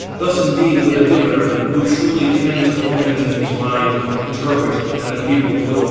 Thus indeed would the diviner, who truly kens omens in his mind, interpret, and the people would obey him."